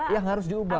yang harus diubah